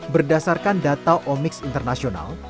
berdasarkan data omix internasional